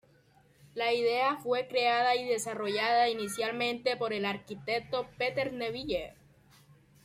La idea fue creada y desarrollada inicialmente por el arquitecto Peter Neville.